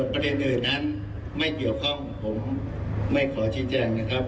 ประเด็นอื่นนั้นไม่เกี่ยวข้องผมไม่ขอชี้แจงนะครับ